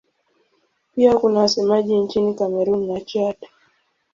Pia kuna wasemaji nchini Kamerun na Chad.